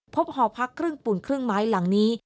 หอพักครึ่งปูนครึ่งไม้หลังนี้